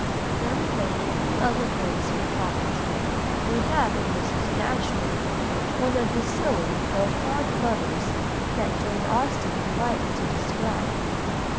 There remain a few other points for comment. We have in Mrs. Dashwood one of the silly though fond mothers that Jane Austen delights to describe.